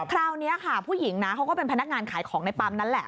คราวนี้ค่ะผู้หญิงนะเขาก็เป็นพนักงานขายของในปั๊มนั้นแหละ